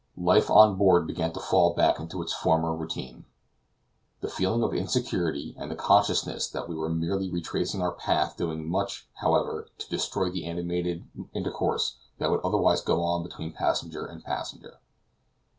Life on board began to fall back into its former routine; the feeling of insecurity and the consciousness that we were merely retracing our path doing much, however, to destroy the animated intercourse that would otherwise go on between passenger and passenger.